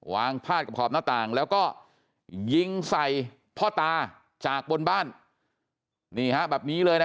พาดกับขอบหน้าต่างแล้วก็ยิงใส่พ่อตาจากบนบ้านนี่ฮะแบบนี้เลยนะ